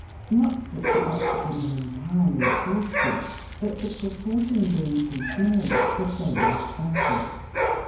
Not that the oxygen is entirely exhausted, but the proportion being too small, the flame is stifled.